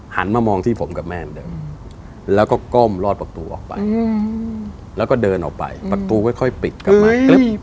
มามองที่ผมกับแม่เหมือนเดิมแล้วก็ก้มลอดประตูออกไปแล้วก็เดินออกไปประตูค่อยปิดกลับมา